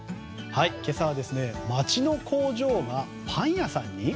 今朝は町工場がパン屋さんに？